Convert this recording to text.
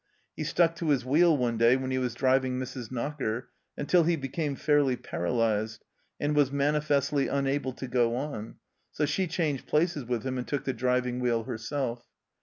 He stuck to his wheel one day, when he was driving Mrs. Knocker, until he became fairly paralyzed, and was manifestly unable to go on, so she changed places with him arid took the driving wheel herself.